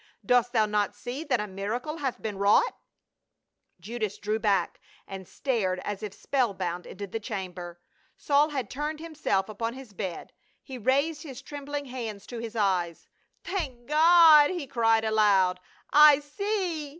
" Dost thou not see that a miracle hath been wrought ?" Judas drew back, and stared as if spellbound into the chamber. Saul had turned himself upon his bed, he raised his trembling hands to his eyes. " Thank God," he cried aloud, "I see."